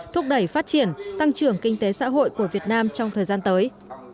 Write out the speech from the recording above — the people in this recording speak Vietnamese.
thúc đẩy phát triển tăng trưởng kinh tế xã hội của việt nam trong thời gian tới